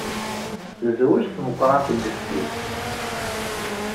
Tezweǧ tmeqrant deg yessi-s.